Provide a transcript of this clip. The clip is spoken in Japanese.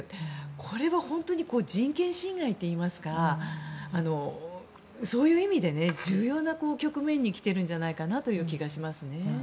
これは本当に人権侵害といいますかそういう意味で、重要な局面に来ている気がします。